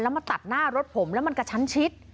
มาตัดหน้ารถผมแล้วมันกระชั้นชิด